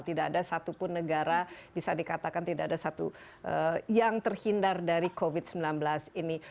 tidak ada satupun negara bisa dikatakan tidak ada satu yang terhindar dari covid sembilan belas ini